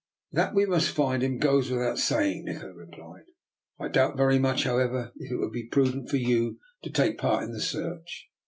" That we must find him goes without say ing," Nikola replied. " I doubt very much, however, if it would be prudent for you to take part in the search.